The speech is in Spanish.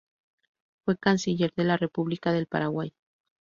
Fue Canciller de la República del Paraguay.